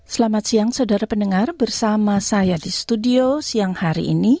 selamat siang saudara pendengar bersama saya di studio siang hari ini